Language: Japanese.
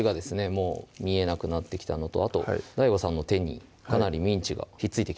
もう見えなくなってきたのとあとＤＡＩＧＯさんの手にかなりミンチがひっついてきましたね